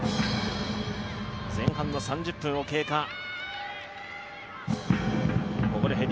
前半の３０分を経過。